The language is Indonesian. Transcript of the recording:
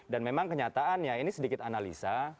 memang kenyataannya ini sedikit analisa